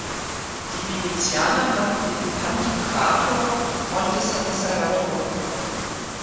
Die Venezianer nannten den Pantokrator „Monte San Salvatore“.